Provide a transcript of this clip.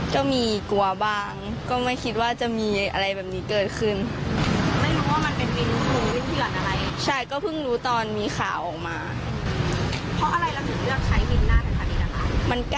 อืมค่ะแล้วตอนนี้ไม่มีแล้วอย่างนี้มันส่งผลมาถูกกับเราไหม